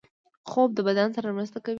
خوب د بدن سره مرسته کوي